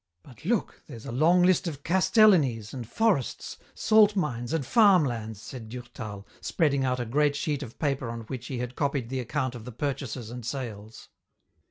But look, there's a long list of castellanies and forests, salt mines and farm lands," said Durtal, spreading out a great sheet of paper on which he had copied the account of the purchases and sales.